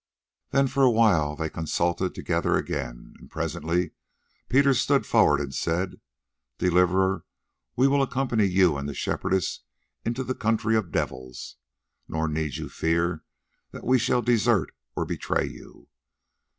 Then for a while they consulted together again, and presently Peter stood forward and said: "Deliverer, we will accompany you and the Shepherdess into the country of devils, nor need you fear that we shall desert or betray you.